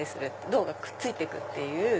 銅がくっついて行くっていう。